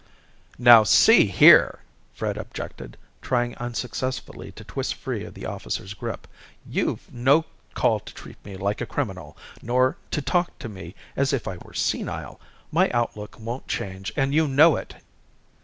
"Now, see here!" Fred objected, trying unsuccessfully to twist free of the officer's grip. "You've no call to treat me like a criminal. Nor to talk to me as if I were senile. My outlook won't change, and you know it!"